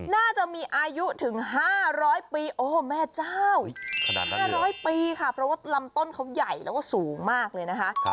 น่าจะมีอายุถึง๕๐๐ปีโอ้แม่เจ้าขนาดนั้น๕๐๐ปีค่ะเพราะว่าลำต้นเขาใหญ่แล้วก็สูงมากเลยนะคะ